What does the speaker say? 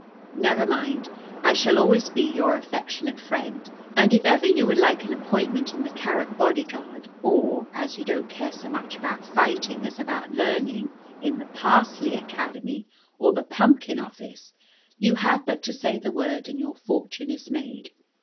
Never mind, I shall always be your affectionate friend, and if ever you would like an appointment in the Carrot bodyguard, or (as you don't care so much about fighting as about learning) in the Parsley Academy or the Pumpkin Office, you have but to say the word and your fortune is made.